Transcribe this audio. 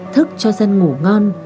thức cho dân ngủ ngon